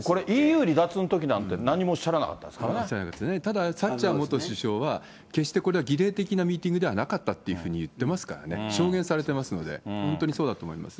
でもＥＵ離脱のときなんて、何もおっしゃらなかったですからただ、サッチャー元首相は、決してこれは儀礼的なミーティングではなかったというふうに言ってますからね、証言されてますので、本当にそうだと思います。